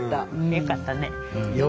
よかったね。